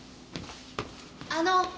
あの。